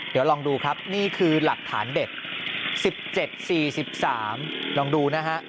เดี๋ยวลองดูครับนี่คือหลักฐานเด็ด๑๗๔๓ลองดูนะฮะ